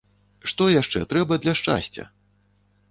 Што яшчэ трэба для шчасця?